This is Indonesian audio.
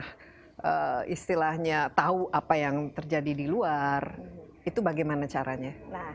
kita nggak pernah istilahnya tahu apa yang terjadi di luar itu bagaimana caranya